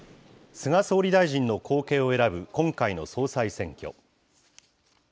菅総理大臣の後継を選ぶ今回の総裁選挙。